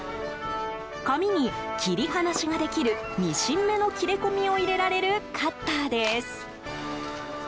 紙に、切り離しができるミシン目の切れ込みを入れられるカッターです。